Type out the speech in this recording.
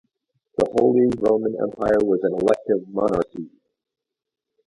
The Holy Roman Empire was an elective monarchy.